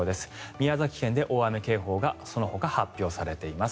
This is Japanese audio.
宮崎県で大雨警報がそのほか発表されています。